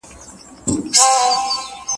هیڅکله نه خولې کیږي